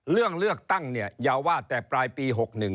เรื่องเลือกตั้งเนี่ยอย่าว่าแต่ปลายปี๖๑